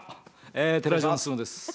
えー寺島進です。